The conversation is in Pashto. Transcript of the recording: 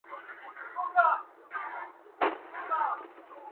د ګنجي په ژبه بل ګنجی پوهېږي٫